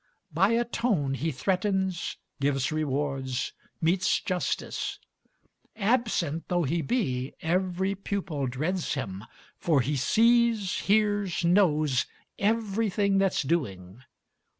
By a tone he threatens, gives rewards, metes justice. Absent though he be, every pupil dreads him, For he sees, hears, knows, everything that's doing.